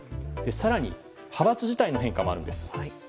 更に派閥自体の変化もあるんです。